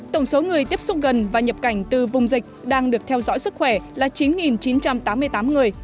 tổng số người tiếp xúc gần và nhập cảnh từ vùng dịch đang được theo dõi sức khỏe là chín chín trăm tám mươi tám người